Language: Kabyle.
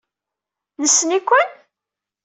Nessen-iken?